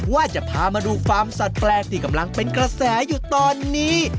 ว่าจะพามาดูฟาร์มสัตว์แปลกที่กำลังเป็นกระแสอยู่ตอนนี้